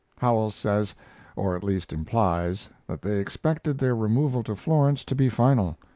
Howells says, or at least implies, that they expected their removal to Florence to be final.